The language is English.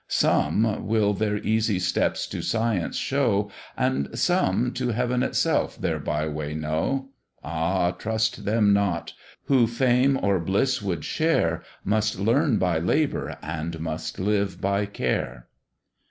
Some will their easy steps to science show, And some to heav'n itself their by way know; Ah! trust them not, who fame or bliss would share, Must learn by labour, and must live by care.